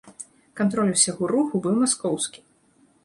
Кантроль усяго руху быў маскоўскі!